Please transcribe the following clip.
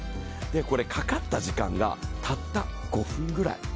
これ、かかった時間がたった５分ぐらい。